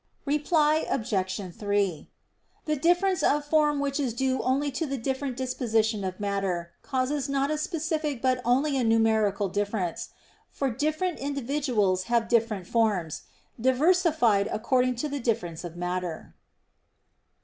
Reply Obj. 3: The difference of form which is due only to the different disposition of matter, causes not a specific but only a numerical difference: for different individuals have different forms, diversified according to the difference of matter.